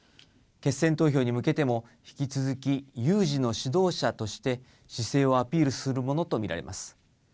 決選投票に向けても、引き続き、有事の指導者として、姿勢をアピールするものと見られます。